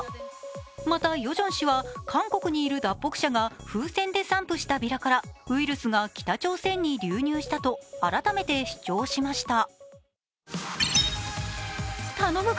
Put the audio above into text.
またヨジョン氏は韓国にいる脱北者が風船で散歩したビラからウイルスが北朝鮮に流入したと改めて主張しました。